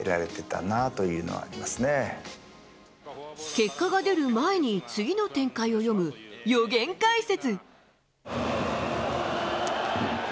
結果が出る前に次の展開を読む予言解説。